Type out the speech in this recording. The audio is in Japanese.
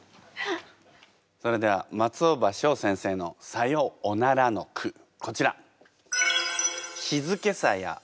それでは松尾葉翔先生の「さよおなら」の句こちら！